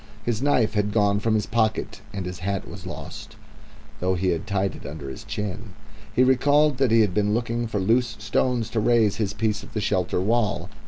His knife had gone from his pocket and his hat was lost, though he had tied it under his chin. He recalled that he had been looking for loose stones to raise his piece of the shelter wall.